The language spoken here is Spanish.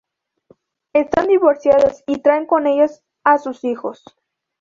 Están divorciados y traen con ellos a sus hijos.